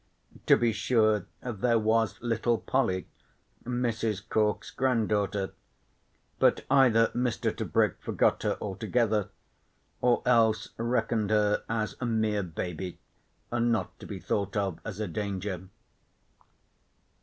To be sure there was little Polly, Mrs. Cork's granddaughter, but either Mr. Tebrick forgot her altogether, or else reckoned her as a mere baby and not to be thought of as a danger.